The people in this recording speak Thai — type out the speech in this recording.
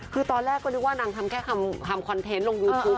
คือตอนแรกก็นึกว่านางทำแค่ทำคอนเทนต์ลงยูทูป